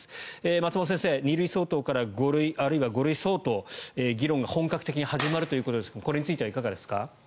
松本先生、２類相当から５類あるいは５類相当議論が本格的に始まるということですがこれについてはいかがですか。